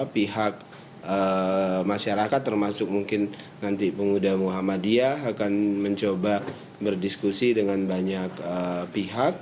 pihak masyarakat termasuk mungkin nanti pemuda muhammadiyah akan mencoba berdiskusi dengan banyak pihak